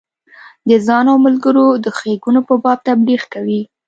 د ځان او ملګرو د ښیګڼو په باب تبلیغ کوي.